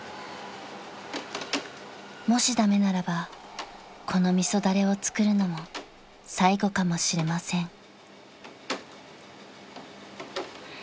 ［もし駄目ならばこの味噌だれを作るのも最後かもしれません］